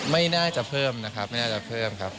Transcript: ไม่น่าจะเพิ่มนะครับไม่น่าจะเพิ่มครับ